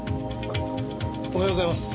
おはようございます。